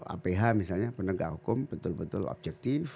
aph misalnya penegak hukum betul betul objektif